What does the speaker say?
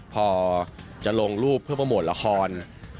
พอจะลงรูปเพื่อโปรโมทละคร